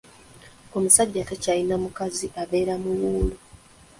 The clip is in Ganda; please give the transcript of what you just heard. Omusajja atakyalina mukazi abeera muwuulu.